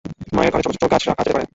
মায়ের ঘরে ছোট ছোট গাছ রাখা যেতে পারে।